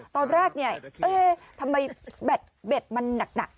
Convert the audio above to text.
ตอนแรกเนี่ยเอ๊ะทำไมแบตเบ็ดมันหนัก